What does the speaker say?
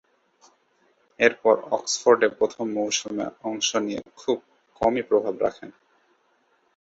এরপর অক্সফোর্ডে প্রথম মৌসুমে অংশ নিয়ে খুব কমই প্রভাব রাখেন।